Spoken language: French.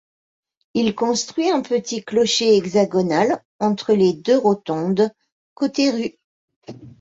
Il construit un petit clocher hexagonal entre les deux rotondes, côté rue.